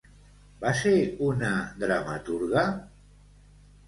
Va ser una dramaturga?